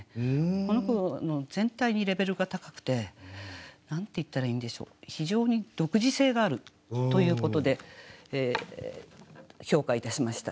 この句全体にレベルが高くて何て言ったらいいんでしょう非常に独自性があるということで評価いたしました。